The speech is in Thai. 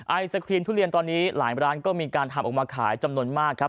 ไอศครีมทุเรียนตอนนี้หลายร้านก็มีการทำออกมาขายจำนวนมากครับ